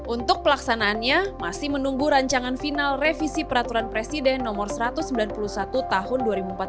untuk pelaksanaannya masih menunggu rancangan final revisi peraturan presiden no satu ratus sembilan puluh satu tahun dua ribu empat belas